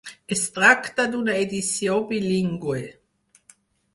Es tracta d’una edició bilingüe.